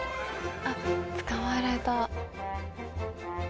あっ捕まえられた。